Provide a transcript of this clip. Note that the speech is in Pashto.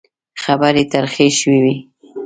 خبرې ترخې شوې وې.